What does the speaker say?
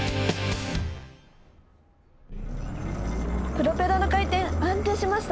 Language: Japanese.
プロペラの回転安定しました。